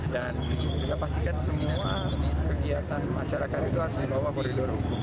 dan kita pastikan semua kegiatan masyarakat itu harus membawa koridor hukum